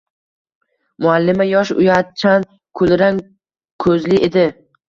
Muallima yosh, uyatchan, kulrang koʻzli edi.